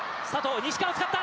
西川使った！